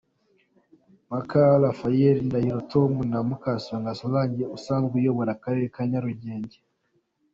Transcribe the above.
Nkaka Raphael, Ndahiro Tom, na Mukasonga Solange usanzwe ayobora Akarere ka Nyarugenge.